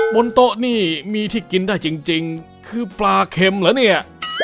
บนโต๊ะนี่มีที่กินได้จริงคือปลาเข็มเหรอเนี่ย